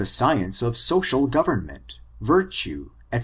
217 ficience of social government, virtue, &c.